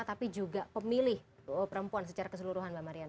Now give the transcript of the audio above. tapi juga pemilih perempuan secara keseluruhan mbak marian